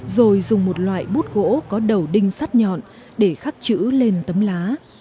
rồi dùng một loại bút gỗ có đầu đinh sắt nhọn để khắc chữ lên tấm lá